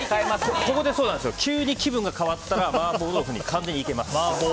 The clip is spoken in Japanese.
ここで急に気分が変わったら麻婆豆腐に完全にいけます。